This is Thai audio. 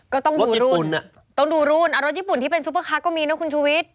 ก็ต้องดูรุ่นต้องดูรุ่นรถญี่ปุ่นที่เป็นซุปเปอร์คาร์ก็มีนะคุณชุวิต